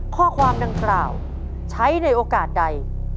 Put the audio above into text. ข้อความดังกล่าวใช้ในโอกาสใด